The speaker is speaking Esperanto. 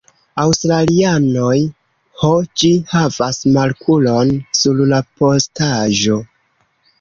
Australianoj. Ho, ĝi havas markulon sur la postaĵo.